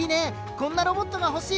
こんなロボットが欲しい！